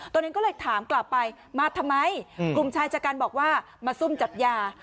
ตัวเองก็เลยถามกลับไปมาทำไมกลุ่มชายชะกันบอกว่ามาซุ่มจับยา